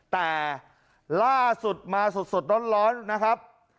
แต่ล่าสุดมาสดร้อนนะครับ